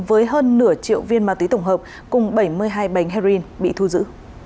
với hơn nửa triệu viên ma túy tổng hợp cùng bảy mươi hai bánh heroin bị thu giữ